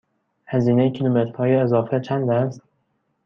هزینه کیلومترهای اضافه چند است؟